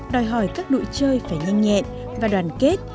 đòi hỏi các đội chơi phải nhanh nhẹn và đoàn kết